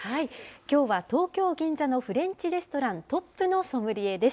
きょうは東京・銀座のフレンチレストラン、トップのソムリエです。